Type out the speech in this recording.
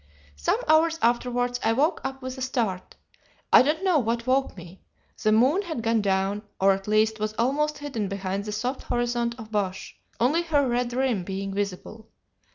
"Some hours afterwards I woke up with a start. I don't know what woke me. The moon had gone down, or at least was almost hidden behind the soft horizon of bush, only her red rim being visible.